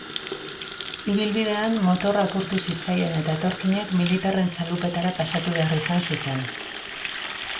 Ibilbidean motorra apurtu zitzaien eta etorkinek militarren txalupetara pasatu behar izan zuten.